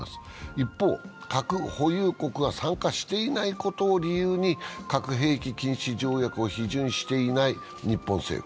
一方、核保有国が参加していないことを理由に核兵器禁止条約を批准していない日本政府。